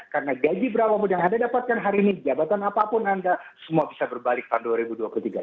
karena gaji berapa pun yang anda dapatkan hari ini di jabatan apapun anda semua bisa berbalik pada dua ribu dua puluh tiga